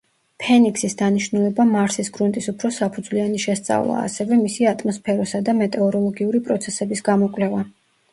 ფენიქსის დანიშნულება მარსის გრუნტის უფრო საფუძვლიანი შესწავლაა, ასევე მისი ატმოსფეროსა და მეტეოროლოგიური პროცესების გამოკვლევა.